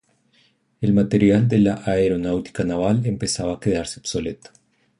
El material de la Aeronáutica Naval empezaba a quedarse obsoleto.